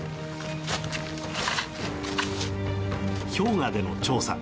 氷河での調査。